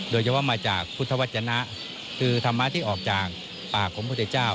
โดยเฉพาะมาจากพุทธวัจจนะคือธรรมะที่ออกจากปากของพุทธเจ้า